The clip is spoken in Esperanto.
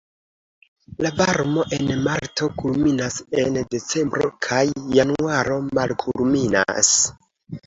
La varmo en marto kulminas, en decembro kaj januaro malkulminas.